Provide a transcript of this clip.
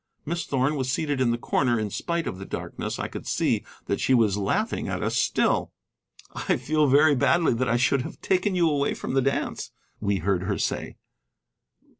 Miss Thorn was seated in the corner; in spite of the darkness I could see that she was laughing at us still. "I feel very badly that I should have taken you away from the dance," we heard her say.